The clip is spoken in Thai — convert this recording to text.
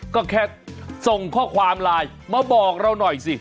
ก็แค่ส่งข้อความไลน์มาบอกเราหน่อยสิ